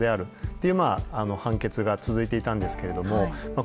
というまあ判決が続いていたんですけれどもまあ